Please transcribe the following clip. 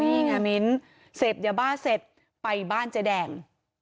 นี่ไงมิ้นเสพยาบ้าเสร็จไปบ้านเจ๊แดง